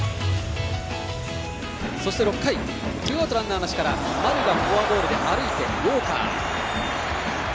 そして６回、ツーアウトランナーなしから丸がフォアボールで歩いてウォーカー。